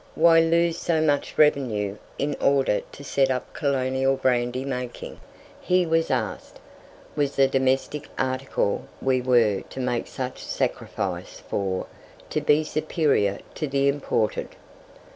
"Why lose so much revenue in order to set up colonial brandy making?" he was asked; "was the domestic article we were to make such sacrifice for to be superior to the imported?"